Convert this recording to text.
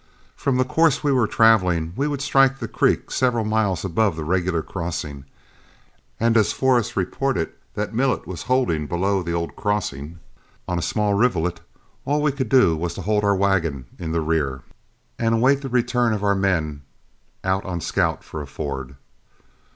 From the course we were traveling, we would strike the creek several miles above the regular crossing, and as Forrest reported that Millet was holding below the old crossing on a small rivulet, all we could do was to hold our wagon in the rear, and await the return of our men out on scout for a ford.